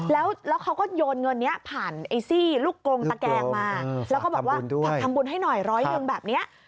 แล้วเขาก็โยนเงินนี้ผ่านไอ้ซี่ลูกกรงตะแกงมาแล้วก็บอกว่าผักทำบุญให้หน่อยร้อยหนึ่งแบบนี้